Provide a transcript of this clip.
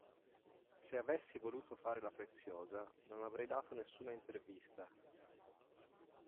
Se avessi voluto fare la preziosa, non avrei dato nessuna intervista.